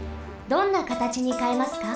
どんな形にかえますか？